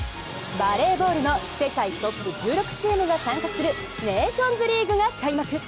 バレーボールの世界トップ１６チームが参加するネーションズリーグが開幕。